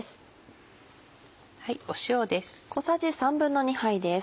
塩です。